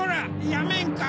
やめんか！